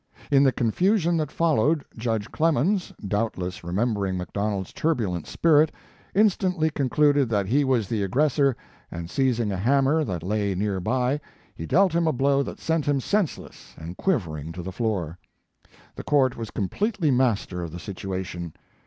In the confusion that followed Judge Clemens, doubtless remembering Mc Donald s turbulent spirit, instantly con cluded that he was the aggressor, and seizing a hammer that lay near by, he dealt him a blow that sent him senseless and quivering to the floor. The court was completely master of the situation.